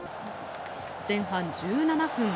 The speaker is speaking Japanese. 前半１７分。